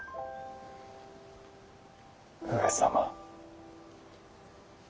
上様。